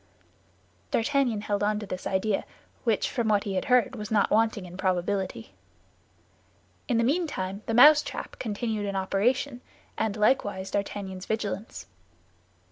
D'Artagnan held onto this idea, which, from what he had heard, was not wanting in probability. In the meantime, the mousetrap continued in operation, and likewise D'Artagnan's vigilance.